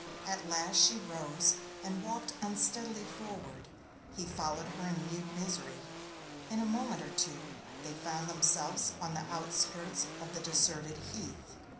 At last she rose and walked unsteadily forward. He followed her in mute misery. In a moment or two they found themselves on the outskirts of the deserted heath.